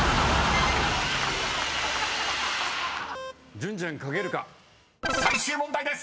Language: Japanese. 潤ちゃん書けるか⁉［最終問題です］